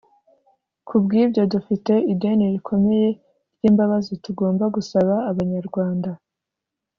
kubw’ibyo dufite ideni rikomeye ry’imbabazi tugomba gusaba Abanyarwanda